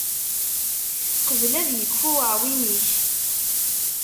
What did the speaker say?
Qbel ad yekfu uεwin-ik